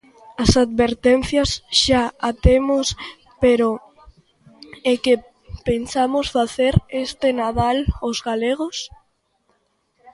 As advertencias xa a temos, pero e que pensamos facer este Nadal os galegos?